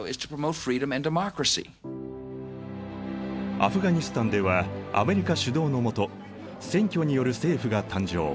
アフガニスタンではアメリカ主導の下選挙による政府が誕生。